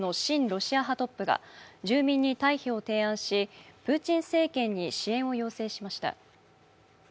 ロシア派トップが住民に退避を提案しプーチン政権に支援を要請しました。